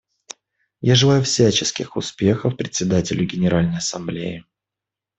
Я желаю всяческих успехов Председателю Генеральной Ассамблеи.